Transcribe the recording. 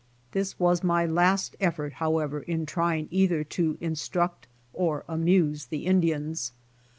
This was my last effort, however, in try ing either to instruct or amuse the Indians.